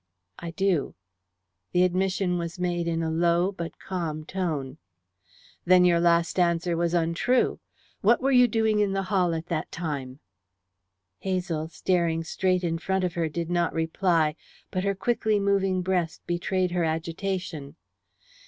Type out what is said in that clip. "I do." The admission was made in a low but calm tone. "Then your last answer was untrue. What were you doing in the hall at that time?" Hazel, staring straight in front of her, did not reply, but her quickly moving breast betrayed her agitation.